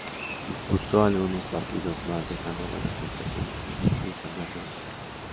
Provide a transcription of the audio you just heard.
Disputó algunos partidos más dejando buenas impresiones y decidió cambiar de aires.